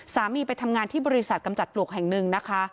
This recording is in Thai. ไปทำงานที่บริษัทกำจัดปลวกแห่งหนึ่งนะคะ